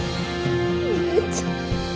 お姉ちゃん。